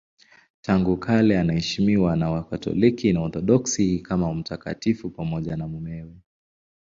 Tangu kale anaheshimiwa na Wakatoliki na Waorthodoksi kama mtakatifu pamoja na mumewe.